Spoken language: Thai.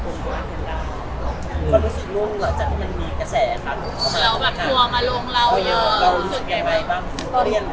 คือเราแบบกลัวมาลงเรารู้สึกยังไงบ้าง